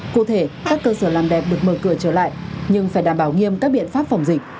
cụ thể các cơ sở làm đẹp được mở cửa trở lại nhưng phải đảm bảo nghiêm các biện pháp phòng dịch